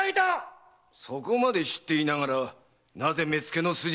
そこまで知っていながらなぜ目付の筋に訴え出なかった？